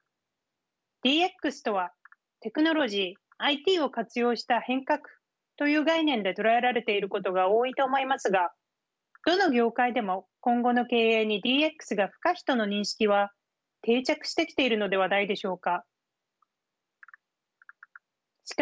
ＤＸとはテクノロジーＩＴを活用した変革という概念で捉えられていることが多いと思いますがどの業界でも今後の経営にＤＸが不可避との認識は定着してきているのではないでしょうか。